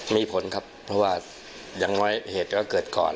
มีผลครับเพราะว่าอย่างน้อยเหตุก็เกิดก่อน